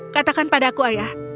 katakan padaku ayah